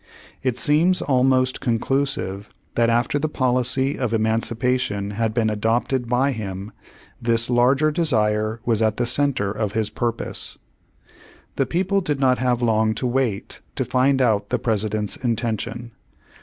It seems almost conclusive that after the policy of Emancipation had been adopted by him, this larger desire was at the center of his purpose. The people did not have long to wait to find out the President's intention.